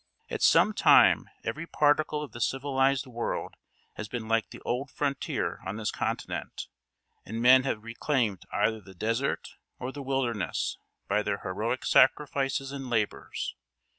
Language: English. At some time every particle of the civilised world has been like the old frontier on this continent, and men have reclaimed either the desert or the wilderness by their heroic sacrifices and labours.